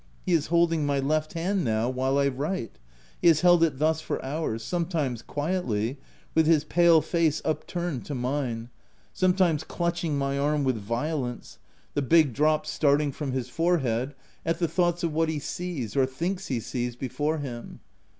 He is holding my left hand now, while I write ; he has held it thus for hours : sometimes quietly, with his pale face upturned to mine : sometimes clutch ing my arm with violence — the big drops start 246 THE TENANT ing from his forehead, at the thoughts of what he sees, or thinks he sees before him.